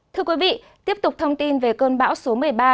thưa quý vị tiếp tục thông tin về cơn bão số một mươi ba